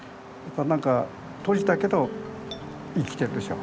何か閉じたけど生きてるでしょ。